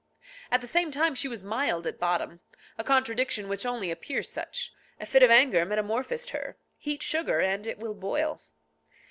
At the same time she was mild at bottom. A contradiction which only appears such. A fit of anger metamorphosed her. Heat sugar and it will boil.